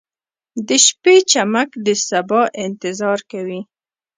• د شپې چمک د سبا انتظار کوي.